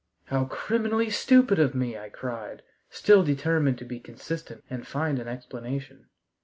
"How criminally stupid of me!" I cried, still determined to be consistent and find an explanation.